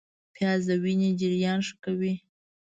پیاز د وینې جریان ښه کوي